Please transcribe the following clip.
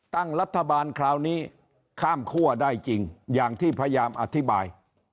ตั้งรัฐบาลคราวนี้ข้ามคั่วได้จริงอย่างที่พยายามอธิบาย